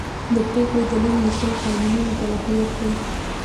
د پرېکړې دلیل لیکل قانوني مکلفیت دی.